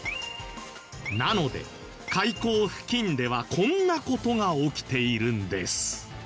なので海溝付近ではこんな事が起きているんです。